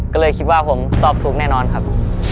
ก็เลยคิดว่าผมตอบถูกแน่นอนครับ